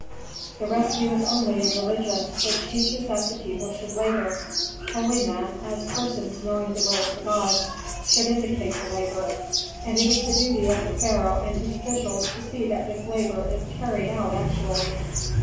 The rescue is only in religion, which teaches that the people should labor. Holy men, as persons knowing the will of the gods, should indicate the labor, and it is the duty of the pharaoh and his officials to see that this labor is carried out actually.